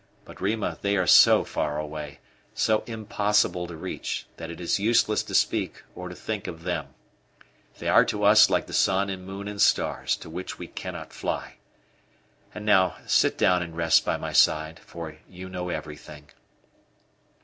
But, Rima, they are so far away, so impossible to reach, that it is useless to speak or to think of them. They are to us like the sun and moon and stars, to which we cannot fly. And now sit down and rest by my side, for you know everything."